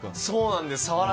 そうなんです。